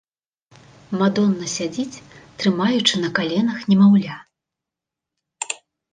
Мадонна сядзіць, трымаючы на каленах немаўля.